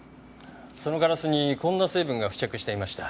そのガラスにこんな成分が付着していました。